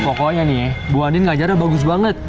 pokoknya nih bu andin ngajarnya bagus banget